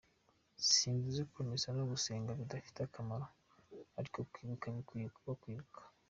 Simvuze ko misa no gusenga bidafite akamaro, ariko kwibuka bikwiye kuba kwibuka.